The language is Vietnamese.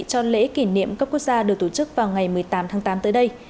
cho lễ kỷ niệm cấp quốc gia được tổ chức vào ngày một mươi tám tháng tám tới đây